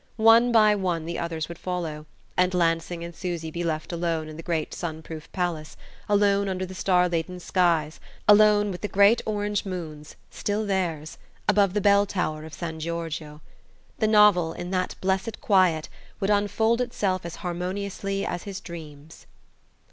One by one the others would follow, and Lansing and Susy be left alone in the great sun proof palace, alone under the star laden skies, alone with the great orange moons still theirs! above the bell tower of San Giorgio. The novel, in that blessed quiet, would unfold itself as harmoniously as his dreams.